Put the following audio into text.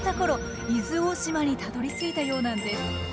伊豆大島にたどりついたようなんです。